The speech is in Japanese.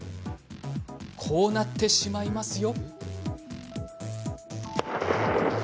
こうなってしまいますよ。